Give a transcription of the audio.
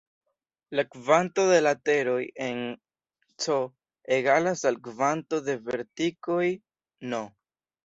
La kvanto de lateroj en "C" egalas al kvanto de verticoj "n".